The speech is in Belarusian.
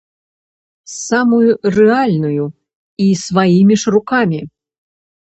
Самую рэальную і сваімі ж рукамі.